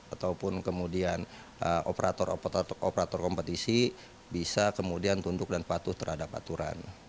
ataupun kemudian operator operator kompetisi bisa kemudian tunduk dan patuh terhadap aturan